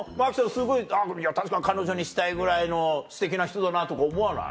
すごい確かに彼女にしたいぐらいのすてきな人だなとか思わない？